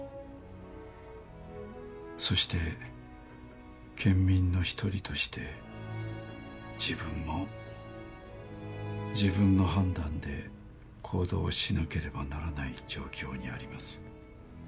そして県民の一人として自分も自分の判断で行動しなければならない状況にあります。